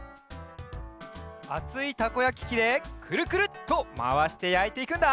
あついたこやききでくるくるっとまわしてやいていくんだ。